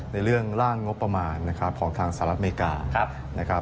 ในเรื่องร่างงบประมาณของทางสหรัฐอเมริกา